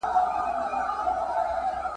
له خپل ایمان له خپل وجدانه ګوښه ,